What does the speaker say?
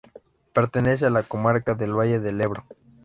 Pertenece a la comarca del Valle del Ebro.